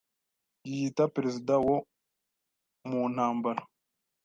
Yiyita perezida wo mu ntambara